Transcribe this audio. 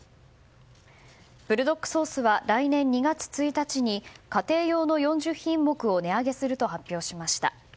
ブルドックソースは来年２月１日に家庭用の４０品目を値上げすると発表しました。